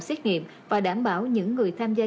xét nghiệm và đảm bảo những người tham gia